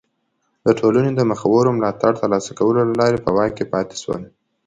د ټولنې د مخورو ملاتړ ترلاسه کولو له لارې په واک کې پاتې شول.